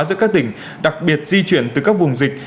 giữa các tỉnh đặc biệt di chuyển từ các vùng dịch